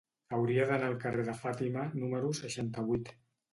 Hauria d'anar al carrer de Fàtima número seixanta-vuit.